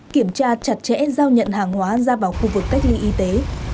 kiểm tra chặt chẽ giao nhận hàng hóa ra vào khu vực cách ly y tế